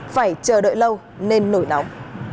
phải chờ đợi lâu nên nổi nóng